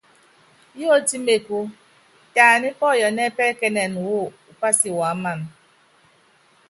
Yiɔtí mekú, tɛ ani pɔyɔnɛ́ɛ́ pɛ́kɛ́ɛ́nɛn wɔ upási wuáman.